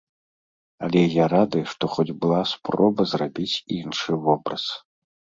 Але я рады, што хоць была спроба зрабіць іншы вобраз.